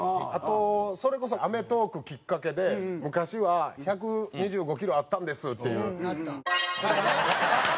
あとそれこそ『アメトーーク』きっかけで「昔は１２５キロあったんです」っていう。